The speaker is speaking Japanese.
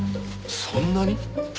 そんなに！？